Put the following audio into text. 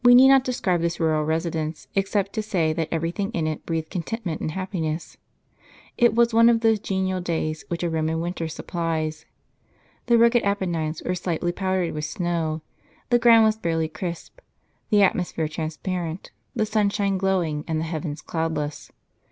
We need not describe this rural residence, except to say that everything in it breathed contentment and happiness. It Avas one of those genial days which a Roman winter sup plies. The rugged Apennines Avere slightly powdered with snow ; the ground was barely crisp, the atmosphere transpa rent, the sunshine glowing, and the heavens cloudless.